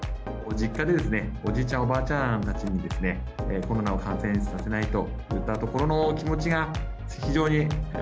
実家でおじいちゃん、おばあちゃんたちにコロナを感染させないといったところのお気持